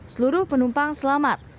seluruh penumpang selamat